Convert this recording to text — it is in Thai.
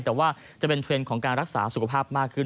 แต่ว่าจะเป็นเทรนด์ของการรักษาสุขภาพมากขึ้น